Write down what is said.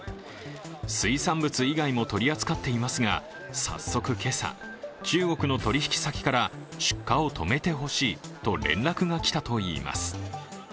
水産物以外も取り扱っていますが早速今朝、中国の取引先から出荷を止めてほしいと、連絡がきたといいます。